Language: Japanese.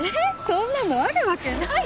そんなのあるわけないじゃん。